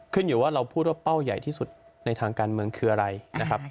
อยู่ว่าเราพูดว่าเป้าใหญ่ที่สุดในทางการเมืองคืออะไรนะครับ